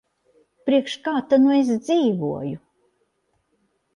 Priekš kā ta nu es dzīvoju.